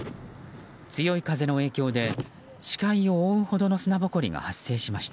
強い風の影響で視界を覆うほどの砂ぼこりが発生しました。